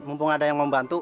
mumpung ada yang membantu